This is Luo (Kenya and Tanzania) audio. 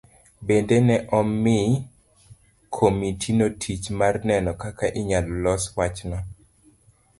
Bende ne omi komitino tich mar neno kaka inyalo los wachno.